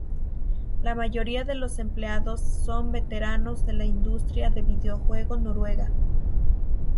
La mayoría de los empleados son veteranos de la industria del videojuego noruega.